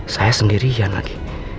saya sendirian lagi